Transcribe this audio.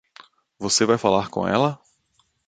Você vai falar com ela?